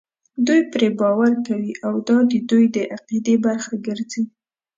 دوی پرې باور کوي او دا د دوی د عقیدې برخه ګرځي.